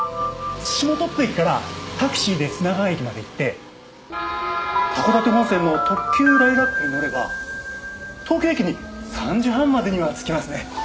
下徳富駅からタクシーで砂川駅まで行って函館本線の特急ライラックに乗れば東京駅に３時半までには着きますね。